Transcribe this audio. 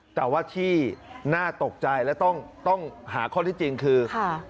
แต่ว่าที่น่าตกใจและต้องหาข้อที่จริงคือ